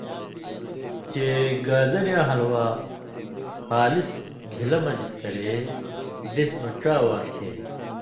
چے گازریۡیاں حلوا خالص گھِلہ مژ کرے دیس مہ ڇا وار کھے۔